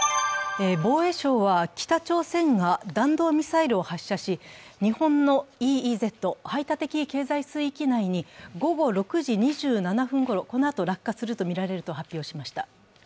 防衛省は北朝鮮が弾道ミサイルを発射し、日本のＥＥＺ＝排他的経済水域内に午後６時２７分ごろ、このあと落下するとみられると発表しました。